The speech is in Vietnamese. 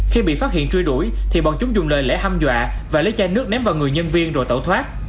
khi bị phát hiện truy đuổi thì bọn chúng dùng lời lẽ hâm dọa và lấy chai nước ném vào người nhân viên rồi tẩu thoát